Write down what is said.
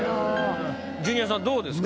ジュニアさんどうですか？